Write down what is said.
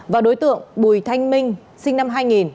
và đối tượng bùi thanh minh sinh năm hai nghìn